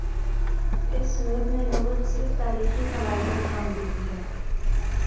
اس صورت میں لغت صرف تاریخی حوالے کا کام دیتی ہے۔